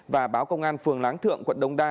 và báo công an phường láng thượng quận đông đa